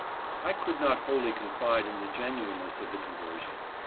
"—I could not wholly confide in the genuine ness of the conversion.